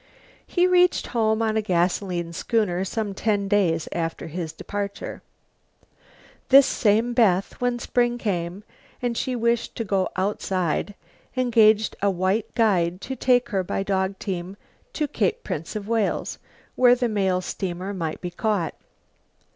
He reached home on a gasoline schooner some ten days after his departure. This same Beth, when spring came and she wished to go "outside," engaged a white guide to take her by dog team to Cape Prince of Wales, where the mail steamer might be caught.